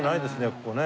ここね。